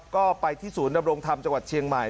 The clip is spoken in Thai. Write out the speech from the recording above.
ก็ไปที่ศูนย์ดำรงธรรมจังหวัดเชียงใหม่